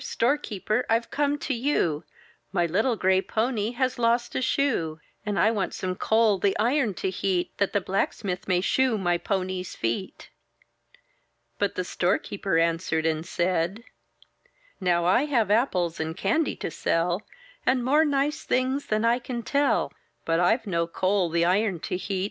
Storekeeper! I've come to you; My little gray pony has lost a shoe! And I want some coal the iron to heat, That the blacksmith may shoe my pony's feet." But the storekeeper answered and said: — "Now I have apples and candy to sell. And more nice things than I can tell; But I've no coal the iron to heat.